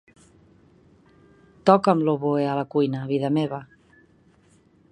Toca'm l'oboè a la cuina, vida meva.